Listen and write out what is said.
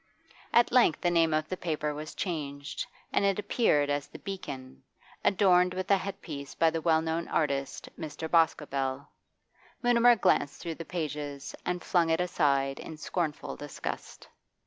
At length the name of the paper was changed, and it appeared as the 'Beacon,' adorned with a headpiece by the well known artist, Mr. Boscobel. Mutimer glanced through the pages and flung it aside in scornful disgust.